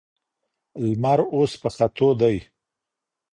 لمر اوس په ختو دی.